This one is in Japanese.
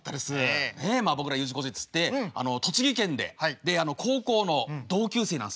まあ僕らＵ字工事っつって栃木県で高校の同級生なんですね。